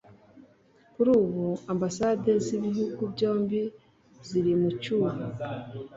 Kuri ubu Ambasade z’ibihugu byombi ziri mu cyuho